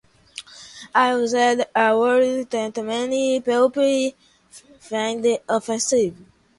I used a word that many people find offensive.